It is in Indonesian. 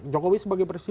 jokowi sebagai presiden